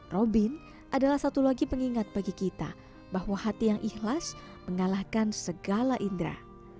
robin adalah satu lagi pengingat bagi kita bahwa hati yang ikhlas mengalahkan segala indera